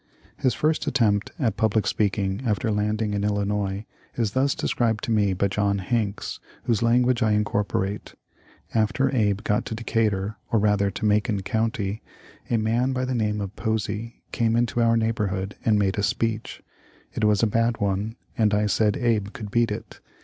His first attempt at public speaking after landing in Illinois is thus described to me by John Hanks, whose language I incorporate :" After Abe got to Decatur, or rather to Macon county, a man by the name of Posey came into our neighborhood and made a speech. It was a bad one, and I said Abe could beat it.